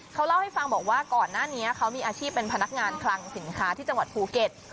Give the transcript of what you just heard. เขาเล่าให้ฟังบอกว่าก่อนหน้านี้เขามีอาชีพเป็นพนักงานคลังสินค้าที่จังหวัดภูเก็ต